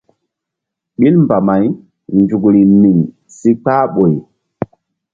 Ɓil mbamay nzukri niŋ si kpah ɓoy.